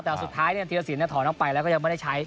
แต่สุดท้ายธีรสินถอนออกไปแล้วก็ยังไม่ได้ใช้